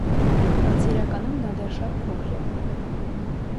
Բայց իրականում նա դեռ շատ փոքր էր։